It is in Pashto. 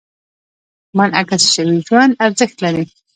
منعکس شوي ژوند ارزښت لري.